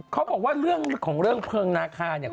เขาบอกว่าเรื่องของเรื่องเพลิงนาคาเนี่ย